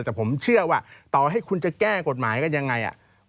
แต่ผมเชื่อว่าต่อให้คุณจะแก้กฎหมายกันยังไง